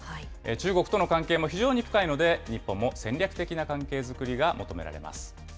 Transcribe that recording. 中国との関係も非常に深いので、日本も戦略的な関係作りが求められます。